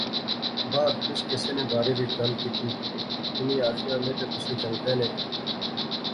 بعد اس کیسے نے بارے وچ گل کیتی۔ انیں آخیا میں تے کسے جنگتے نے